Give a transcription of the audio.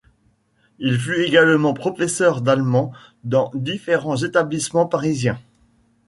Il fut également professeur d'allemand dans différents établissements parisiens.